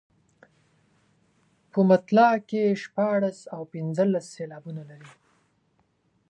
په مطلع کې شپاړس او پنځلس سېلابونه لري.